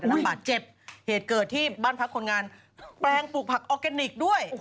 รับบาดเจ็บเหตุเกิดที่บ้านพักคนงานแปลงปลูกผักออร์แกนิคด้วย